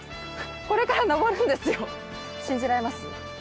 これから登るんですよ、信じられます？